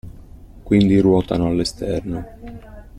Quindi ruotano all'esterno.